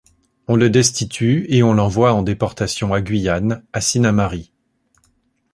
On le destitue et on l'envoie en déportation en Guyane, à Sinnamary.